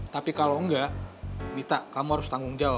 tapi kalau enggak minta kamu harus tanggung jawab